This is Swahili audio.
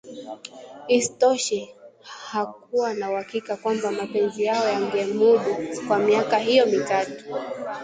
Isitoshe, hakuwa na uhakika kwamba mapenzi yao yangemudu kwa miaka hiyo mitatu